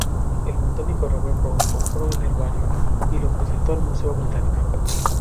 El botánico Robert Brown compró el herbario y lo presentó al Museo Británico.